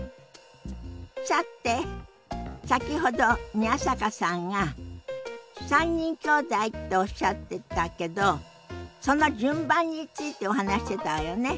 さて先ほど宮坂さんが３人きょうだいっておっしゃってたけどその順番についてお話ししてたわよね。